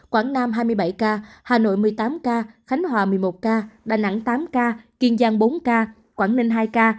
quảng nam hai mươi bảy ca hà nội một mươi tám ca khánh hòa một mươi một ca đà nẵng tám ca kiên giang bốn ca quảng ninh hai ca